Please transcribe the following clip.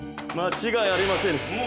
間違いありませぬ。